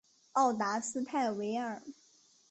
奥达斯泰韦尔。